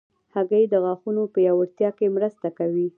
هګۍ د غاښونو پیاوړتیا کې مرسته کوي.